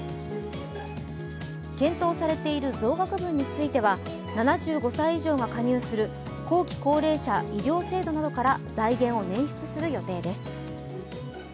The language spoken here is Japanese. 検討されている増額分については７５歳以上が加入する後期高齢者医療制度などから財源を捻出する予定です。